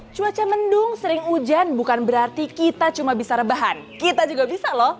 cuaca mendung sering hujan bukan berarti kita cuma bisa rebahan kita juga bisa loh